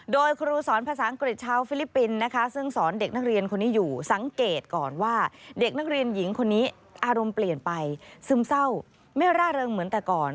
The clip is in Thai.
โดยครูสอนภาษาอังกฤษชาวฟิลิปปินส์นะคะซึ่งสอนเด็กนักเรียนคนนี้อยู่สังเกตก่อนว่าเด็กนักเรียนหญิงคนนี้อารมณ์เปลี่ยนไปซึมเศร้าไม่ร่าเริงเหมือนแต่ก่อน